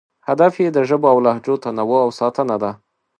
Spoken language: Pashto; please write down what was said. هدف یې د ژبو او لهجو تنوع او ساتنه ده.